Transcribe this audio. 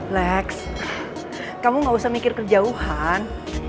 lex kamu gak usah mikir kejauhan